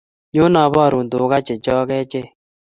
Nyo aborun tuga checho achek